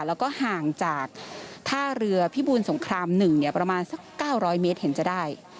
แล้วก็ห่างจากท่าเรือพิบูรณ์สงครามหนึ่งเนี่ยประมาณสักเก้าร้อยเมตรเห็นจะได้